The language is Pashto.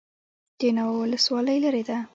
د ناوه ولسوالۍ لیرې ده